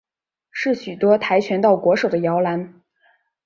是许多跆拳道国手的摇篮。